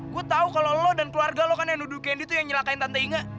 gue tau kalo lo dan keluarga lo kan yang nuduh candy tuh yang nyelakain tante inga